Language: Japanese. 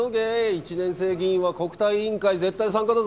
１年生議員は国対委員会絶対参加だぞ。